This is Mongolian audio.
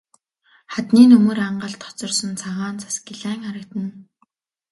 Хадны нөмөр ангалд хоцорсон цагаан цас гялайн харагдана.